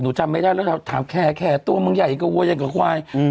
หนูจำไม่ได้แล้วถามแคร์แคร์ตัวมันใหญ่ก็ว่ายังกับควายอืม